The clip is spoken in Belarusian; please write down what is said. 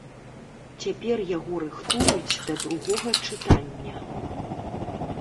Цяпер яго рыхтуюць да другога чытання.